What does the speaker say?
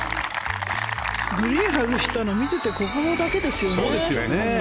グリーンを外したの見ててここだけですよね。